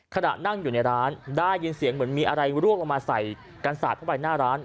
ขณะนั่งอยู่ในร้านได้ยินเสียงเหมือนมีอะไรร่วงลงมาใส่กันสาดเข้าไปหน้าร้าน